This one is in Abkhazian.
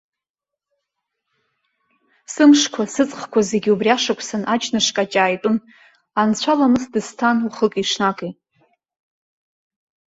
Сымшқәа, сыҵхқәа зегьы убри ашықәсан аџьныш-қаҷаа итәын, анцәа-ламыс дысҭан уахыки-ҽнаки.